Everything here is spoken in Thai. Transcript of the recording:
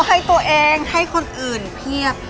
ให้ตัวเองให้คนอื่นเพียบ